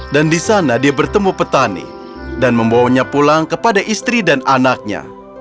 dan di sana dia bertemu petani dan membawanya pulang kepada istri dan anaknya